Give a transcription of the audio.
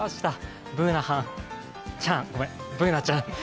Ｂｏｏｎａはん、ごめん、Ｂｏｏｎａちゃん。